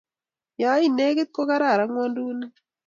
ya I negit ko kararan ng'wanduni